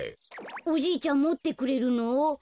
おじいちゃんもってくれるの？